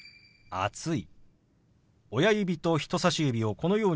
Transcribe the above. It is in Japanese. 「暑い」。